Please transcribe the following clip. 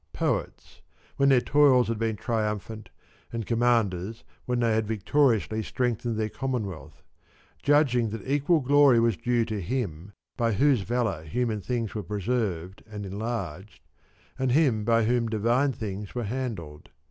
Poets, when their toils had been 73 triumphant, and Commanders, when they had victori ously strengthened their Commonwealth ; judging that equal glory was due to him by whose valour human things were preserved and enlarged, and him by whom divine things were handled.